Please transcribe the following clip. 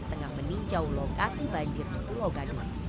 tengah meninjau lokasi banjir di pulau gadung